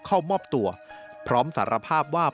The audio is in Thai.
เข้ามอบตัวพร้อมสารภาพว่า